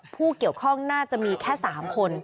ผู้เกี่ยวข้องน่าจะมีแค่๓คน